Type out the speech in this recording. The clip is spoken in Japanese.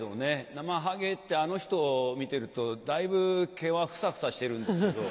なまはげってあの人を見てるとだいぶ毛はフサフサしてるんですけど。